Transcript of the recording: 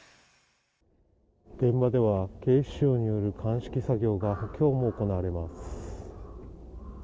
現場では警視庁による鑑識作業が今日も行われます。